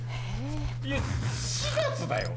いや４月だよ